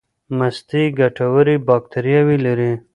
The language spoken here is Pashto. مستې ګټورې باکتریاوې لري.